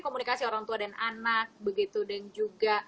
komunikasi orang tua dan anak begitu dan juga